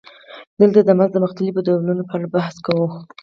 دلته د مزد د مختلفو ډولونو په اړه بحث کوو